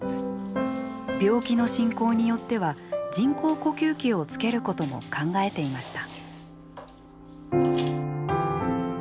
病気の進行によっては人工呼吸器をつけることも考えていました。